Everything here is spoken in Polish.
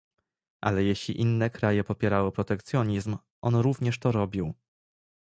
Ale jeśli inne kraje popierały protekcjonizm, on również to robił